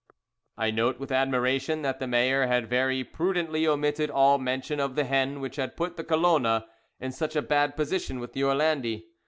I note with admiration that the mayor had very prudently omitted all mention of the hen which had put the Colona in such a bad position with the Orlandi.